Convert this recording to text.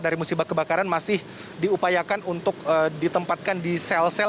dari musibah kebakaran masih diupayakan untuk ditempatkan di sel sel